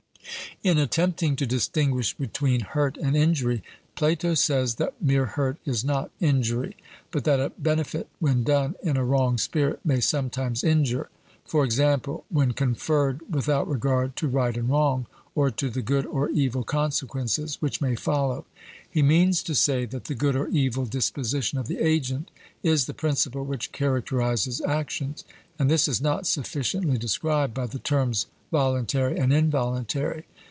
In attempting to distinguish between hurt and injury, Plato says that mere hurt is not injury; but that a benefit when done in a wrong spirit may sometimes injure, e.g. when conferred without regard to right and wrong, or to the good or evil consequences which may follow. He means to say that the good or evil disposition of the agent is the principle which characterizes actions; and this is not sufficiently described by the terms voluntary and involuntary.